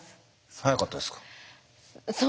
早かったですか？